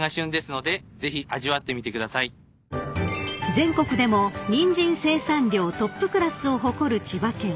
［全国でもニンジン生産量トップクラスを誇る千葉県］